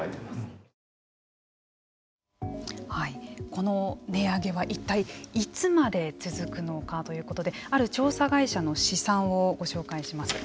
この値上げは一体いつまで続くのかということである調査会社の試算をご紹介します。